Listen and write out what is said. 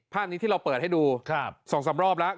ภาพนี้ที่เราเปิดให้ดู๒๓รอบแล้ว